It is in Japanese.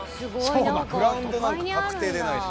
そうだグラウンドなんか確定でないし。